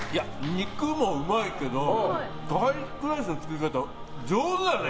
肉もうまいけどガーリックライスの作り方上手だね。